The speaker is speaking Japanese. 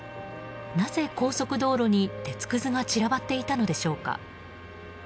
なぜ高速道路に鉄くずが散らばっていたのでしょうか。